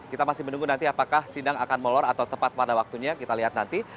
kita masih menunggu nanti apakah sidang akan molor atau tepat pada waktunya kita lihat nanti